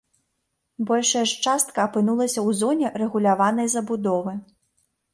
Большая ж частка апынулася ў зоне рэгуляванай забудовы.